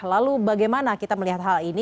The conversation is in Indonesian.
lalu bagaimana kita melihat hal ini